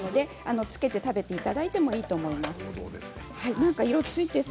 つけて食べていただいてもいいと思います。